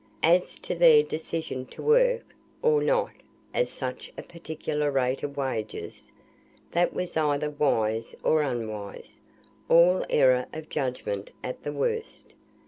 As to their decision to work, or not, at such a particular rate of wages, that was either wise or unwise; all error of judgment at the worst.